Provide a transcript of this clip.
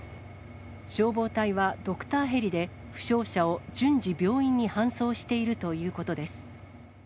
消防隊はドクターヘリで、負傷者を順次、病院に搬送しているということです。